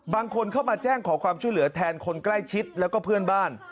บางคนเข้ามาแจ้งขอความช่วยเหลือแทนคนใกล้ชิดแล้วก็เพื่อนบ้าน